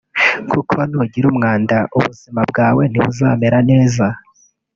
kuko nugira umwanda ubuzima bwawe ntibuzamera neza